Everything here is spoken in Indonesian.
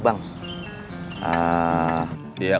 ada rumah itu